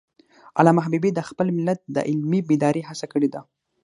علامه حبیبي د خپل ملت د علمي بیدارۍ هڅه کړی ده.